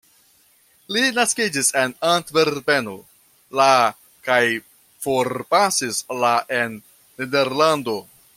Li naskiĝis en Antverpeno la kaj forpasis la en Nederlando.